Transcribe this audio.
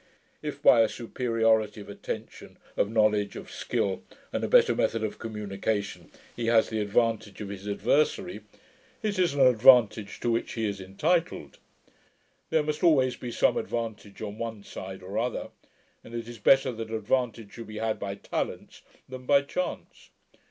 If, by a superiority of attention, of knowledge, of skill, and a better method of communication, he has the advantage of his adversary, it is an advantage to which he is entitled. There must always be some advantage, on one side or other; and it is better that advantage should be had by talents, than by chance.